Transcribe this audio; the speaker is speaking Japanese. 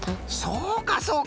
そうかそうか。